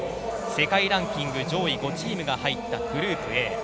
世界ランキング上位５チームが入ったグループＡ。